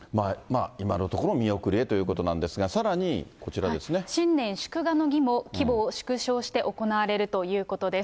今のところ、見送りへということなんですが、さらにこちらで新年祝賀の儀も規模を縮小して行われるということです。